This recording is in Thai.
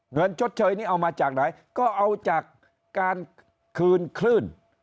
ชดเชยนี้เอามาจากไหนก็เอาจากการคืนคลื่น